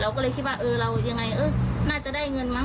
ก็เลยคิดว่าเออเรายังไงเออน่าจะได้เงินมั้